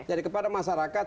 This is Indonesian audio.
jadi kepada masyarakat